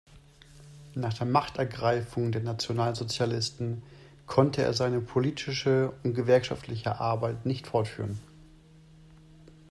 Nach der „Machtergreifung“ der Nationalsozialisten konnte er seine politische und gewerkschaftliche Arbeit nicht fortführen.